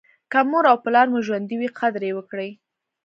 که مور او پلار مو ژوندي وي قدر یې وکړئ.